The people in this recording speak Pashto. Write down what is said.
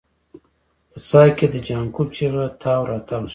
په څاه کې د جانکو چيغه تاو راتاو شوه.